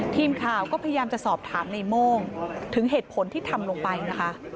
ทีมข่าวก็พยายามจะสอบถามในโม่งถึงเหตุผลที่ทำลงไปนะคะ